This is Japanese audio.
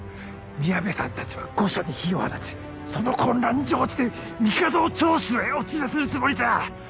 宮部さんたちは御所に火を放ちその混乱に乗じて帝を長州へお連れするつもりじゃ！